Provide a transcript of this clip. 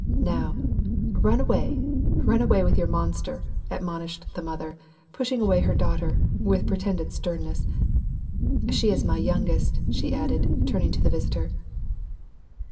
"Now, run away, run away with your monster," ad monished the mother, pushing away her daughter, with pretended sternness. " She is my youngest," she added, turn ing to the visitor.